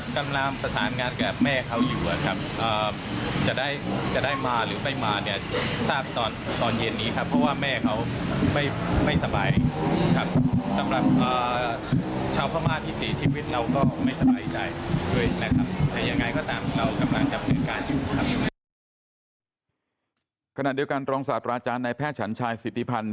ขณะเดียวกันรองศาสตราจารย์ในแพทย์ฉันชายสิทธิพันธ์